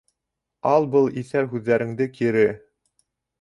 Ал был иҫәр һүҙҙәреңде кире!